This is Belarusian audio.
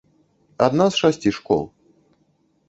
Адна з шасці школ.